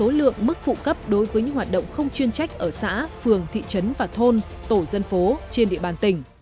số lượng mức phụ cấp đối với những hoạt động không chuyên trách ở xã phường thị trấn và thôn tổ dân phố trên địa bàn tỉnh